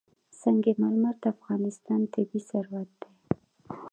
سنگ مرمر د افغانستان طبعي ثروت دی.